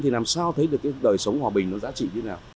thì làm sao thấy được cái đời sống hòa bình nó giá trị như thế nào